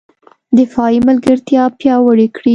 دفاعي ملګرتیا پیاوړې کړي